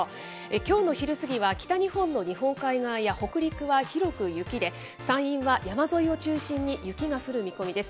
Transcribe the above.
きょうの昼過ぎは、北日本の日本海側や北陸は広く雪で、山陰は山沿いを中心に雪が降る見込みです。